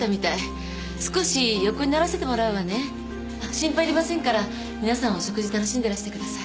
心配いりませんから皆さんお食事楽しんでらしてください。